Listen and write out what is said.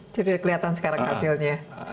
jadi kelihatan sekarang hasilnya